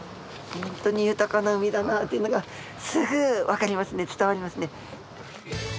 本当に豊かな海だなというのがすぐ分かりますね伝わりますね。